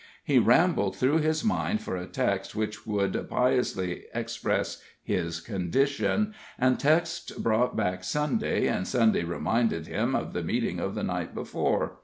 He rambled through his mind for a text which would piously express his condition, and texts brought back Sunday, and Sunday reminded him of the meeting of the night before.